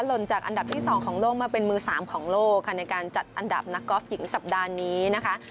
หล่นจากอันดับที่๒ของโลกมาเป็นมือ๓ของโลกค่ะในการจัดอันดับนักกอล์ฟหญิงสัปดาห์นี้นะคะ